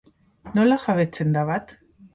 Nola jabetzen da bat?